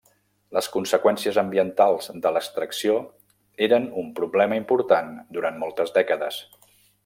Les conseqüències ambientals de l'extracció eren un problema important durant moltes dècades.